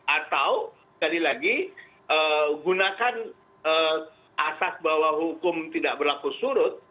atau sekali lagi gunakan asas bahwa hukum tidak berlaku surut